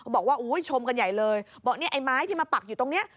บอกว่าอุ้ยชมกันใหญ่เลยบอกเนี่ยไอ้ไม้ที่มาปักอยู่ตรงนี้